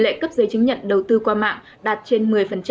tỷ lệ cấp giấy chứng nhận đầu tư qua mạng đạt trên một mươi